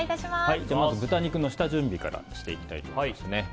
まず豚肉の下準備からしていきます。